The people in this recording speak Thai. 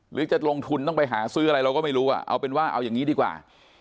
หรือจะลงทุนต้องไปหาซื้ออะไรเราก็ไม่รู้เอาเป็นว่าเอาอย่างนี้ดีกว่า